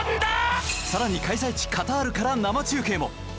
更に、開催地カタールから生中継も。